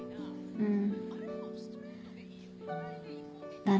うん。